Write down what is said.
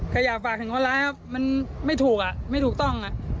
ก็อยากฝากถึงว่าแล้วมันไม่ถูกอะไม่ถูกต้องอะ